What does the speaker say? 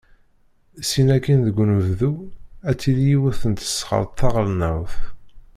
Syin akin deg unebdu, ad tili yiwet n tesɣert taɣelnawt.